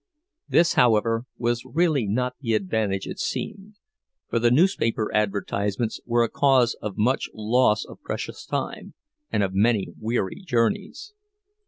This, however, was really not the advantage it seemed, for the newspaper advertisements were a cause of much loss of precious time and of many weary journeys.